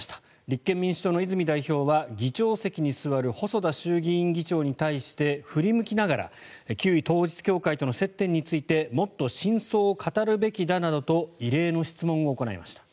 立憲民主党の泉代表は議長席に座る細田衆院議長に対して振り向きながら旧統一教会との接点についてもっと真相を語るべきだなどと異例の質問を行いました。